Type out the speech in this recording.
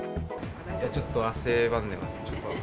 ちょっと汗ばんでますね。